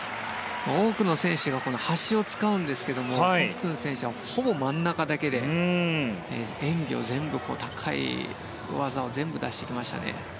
多くの選手が端を使うんですがコフトゥン選手はほぼ真ん中だけで演技を全部、高い技を全部出してきましたね。